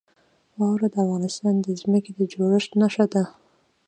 واوره د افغانستان د ځمکې د جوړښت نښه ده.